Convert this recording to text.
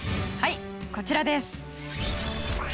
はいこちらです。